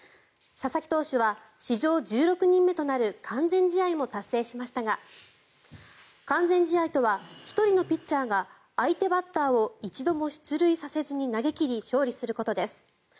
佐々木投手は史上１６人目となる完全試合も達成しましたが完全試合とは１人のピッチャーが相手バッターを一度も出塁させずに投げ切り勝利することです。